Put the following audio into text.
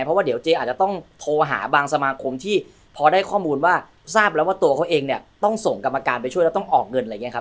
เพราะว่าเดี๋ยวเจ๊อาจจะต้องโทรหาบางสมาคมที่พอได้ข้อมูลว่าทราบแล้วว่าตัวเขาเองเนี่ยต้องส่งกรรมการไปช่วยแล้วต้องออกเงินอะไรอย่างนี้ครับ